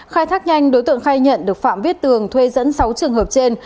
khai thác nhanh đối tượng khai nhận được phạm viết tường thuê dẫn sáu trường hợp trên